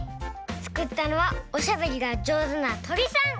つくったのはおしゃべりがじょうずなとりさん！